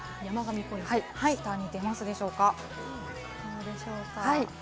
下に出ますでしょうか。